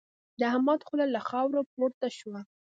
د احمد خوله له خاورو پورته شوه.